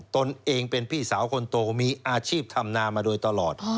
ตนเองเป็นพี่สาวคนโตมีอาชีพทำนามาโดยตลอด